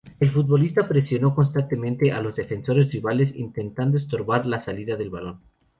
El futbolista presionó constantemente a los defensores rivales, intentando estorbar la salida del balón.